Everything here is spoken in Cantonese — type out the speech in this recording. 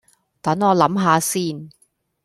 等我諗吓先